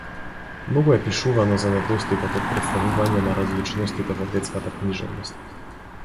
Многу е пишувано за недостигот од претставување на различностите во детската книжевност.